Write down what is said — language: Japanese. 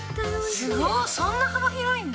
すごっ、そんな幅広いんだ。